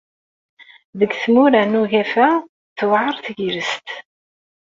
Deg tmura n ugafa, tewɛeṛ tegrest.